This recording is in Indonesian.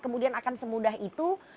kemudian akan semudah itu